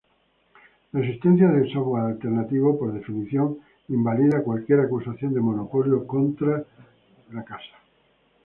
La existencia de software alternativo, por definición, invalida cualquier acusación de monopolio contra Microsoft.